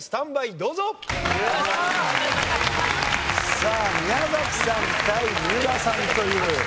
さあ宮崎さん対三浦さんという。